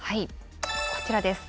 こちらです。